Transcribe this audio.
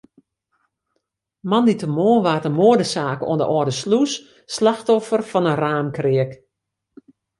Moandeitemoarn waard in moadesaak oan de Alde Slûs slachtoffer fan in raamkreak.